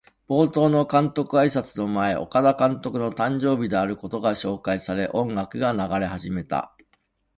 冒頭の監督あいさつの前、岡田監督の誕生日であることが紹介され、音楽が流れ始めた。